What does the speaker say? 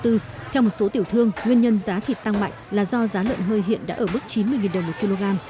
theo một số tiểu thương nguyên nhân giá thịt tăng mạnh là do giá lợn hơi hiện đã ở mức chín mươi đồng một kg